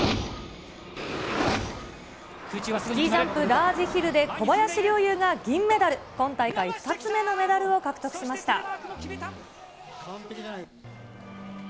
スキージャンプラージヒルで、小林陵侑が銀メダル、今大会２つ目のメダルを獲得しました。